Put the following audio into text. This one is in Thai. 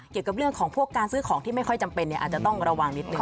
เกี่ยวกับเรื่องของพวกการซื้อของที่ไม่ค่อยจำเป็นอาจจะต้องระวังนิดนึ